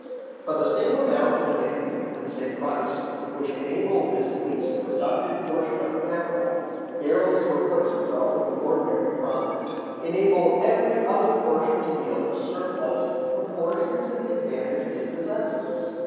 But the same amount of demand and the same price, which enable this least productive portion of capital barely to replace itself with the ordinary profit, enable every other portion to yield a surplus proportioned to the advantage it possesses.